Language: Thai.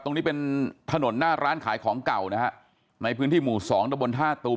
ตรงนี้เป็นถนนหน้าร้านขายของเก่านะฮะในพื้นที่หมู่สองตะบนท่าตูม